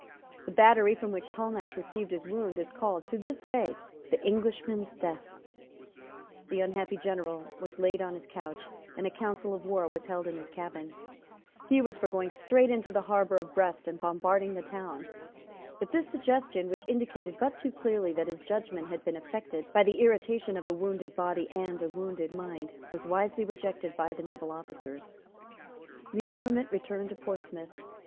The battery from which Talmash received his wound is called, to this day, the Englishman's Death. The unhappy general was laid on his couch; and a council of war was held in his cabin. He was for going straight into the harbour of Brest and bombarding the town. But this suggestion, which indicated but too clearly that his judgment had been affected by the irritation of a wounded body and a wounded mind, was wisely rejected by the naval officers. The armament returned to Portsmouth.